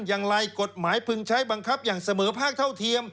อย่างไรกฎหมายพึงใช้บังคับอย่างเสมอภาคเท่าเทียม